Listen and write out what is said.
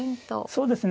そうですね。